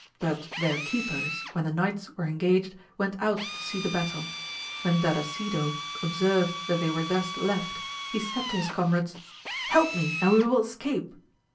But their keepers when the knights were engaged went out to see the battle. When Dandasido observed that they were thus left, he said to his comrades. Help me, and we will escape.